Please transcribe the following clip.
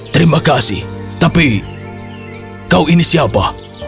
terima kasih tapi kau ini siapa